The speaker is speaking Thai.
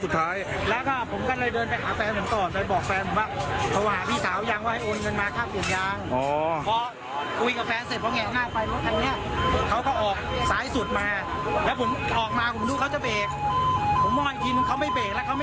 ครับครับครับผม